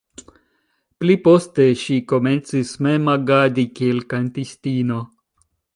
Pli poste ŝi komencis mem agadi kiel kantistino.